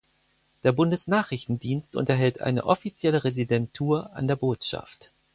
Der Bundesnachrichtendienst unterhält eine offizielle Residentur an der Botschaft.